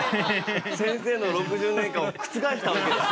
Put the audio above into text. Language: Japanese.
先生の６０年間を覆したわけですね